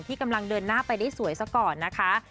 กำลังเดินหน้าไปได้สวยซะก่อนนะคะ